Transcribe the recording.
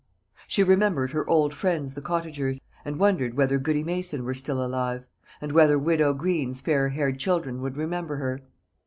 She remembered her old friends the cottagers, and wondered whether goody Mason were still alive, and whether Widow Green's fair haired children would remember her.